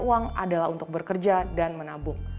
uang adalah untuk bekerja dan menabung